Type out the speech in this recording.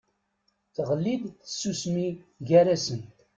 Teɣli-d tsusmi gar-asen.